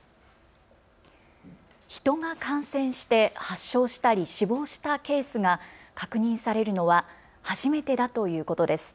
人が感染して発症したり死亡したケースが確認されるのは初めてだということです。